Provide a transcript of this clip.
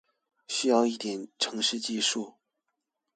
需要一點程式技術